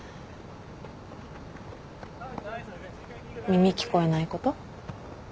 耳聞こえないこと。